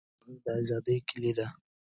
• پوهه، د ازادۍ کلید دی.